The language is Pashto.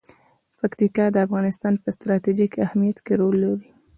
پکتیکا د افغانستان په ستراتیژیک اهمیت کې رول لري.